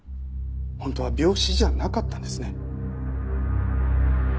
本当は病死じゃなかったんですね。